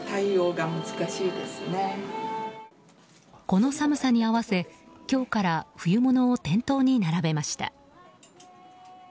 この寒さに合わせ今日から冬物を店頭に並べました。